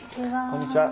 こんにちは。